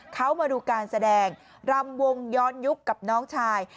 เขามาดูการแสดงรำวงย้อนยุคกับน้องชาย